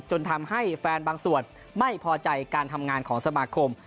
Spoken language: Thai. จนทำให้แฟนบางส่วนไม่พอใจการทำงานของสมาคม